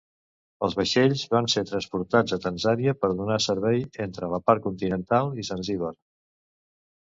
Els vaixells van ser transportats a Tanzània per donar servei entre la part continental i Zanzíbar.